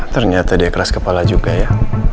ternyata dia keras kepala juga ya